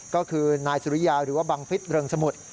ก็คือนายสุริยาหรือว่าบังฟิศเริงสมุทร